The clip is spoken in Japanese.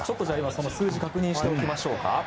その数字を確認しておきましょうか。